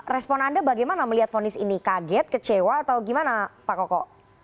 respon anda bagaimana melihat fonis ini kaget kecewa atau gimana pak koko